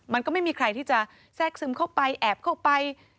มันก็ไม่มีใครที่จะแทรกซึมเข้าไปแอบเข้าไป